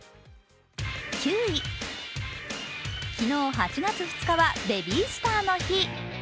９位、昨日、８月２日はベビースターの日。